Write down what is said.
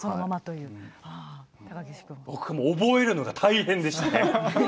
僕も覚えるのが大変でしたね。